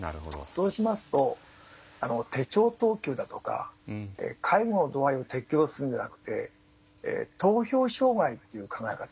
そうしますと手帳等級だとか介護の度合いを適応するんじゃなくて投票障害という考え方。